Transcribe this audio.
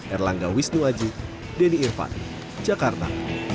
erlangga wisnuwaji denny irvan jakarta